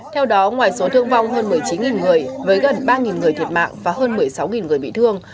theo đó ngoài số thương vong hơn một mươi chín người với gần ba người thiệt mạng và hơn một mươi sáu người bị thương